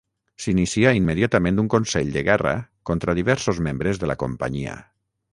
S'inicià immediatament un consell de guerra contra diversos membres de la companyia.